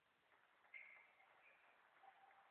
namna ya kuchanganya karanga